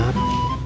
ya aku mau